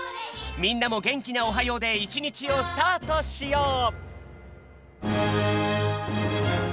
みんなもげんきな「おはよう」でいちにちをスタートしよう！